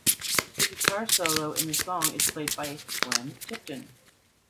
The guitar solo in the song is played by Glenn Tipton.